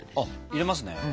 入れますね。